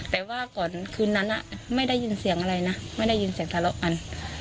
แต่ว่าก่อนคืนนั้นไม่ได้ยินเสียงอะไรนะไม่ได้ยินเสียงทะเลาะกัน